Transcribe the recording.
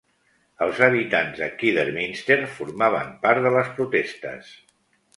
Els habitants de Kidderminster formaven part de les protestes.